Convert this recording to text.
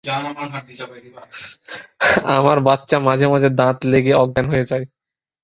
আমার বাচ্চা মাঝে মাঝে দাঁত লেগে অজ্ঞান হয়ে যায়।